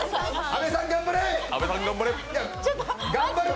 阿部さん、頑張れ！